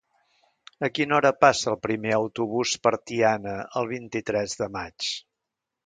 A quina hora passa el primer autobús per Tiana el vint-i-tres de maig?